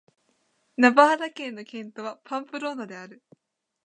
ナバーラ県の県都はパンプローナである